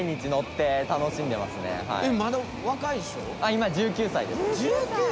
今１９歳です。